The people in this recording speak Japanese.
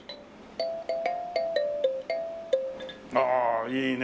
ああいいね。